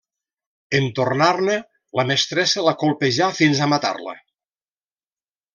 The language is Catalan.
En tornar-ne, la mestressa la colpejà fins a matar-la.